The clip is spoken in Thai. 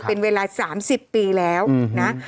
เป็นเวลา๓๐ปีแล้วนะ